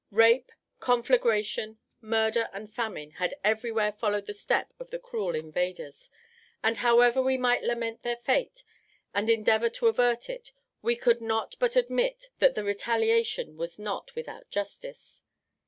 Rape, conflagration, murder, and famine had everywhere followed the step of the cruel invaders; and however we might lament their fate, and endeavour to avert it, we could not but admit that the retaliation was not without justice.